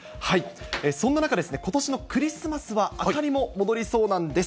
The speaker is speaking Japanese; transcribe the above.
そんな中、ことしのクリスマスは明かりも戻りそうなんです。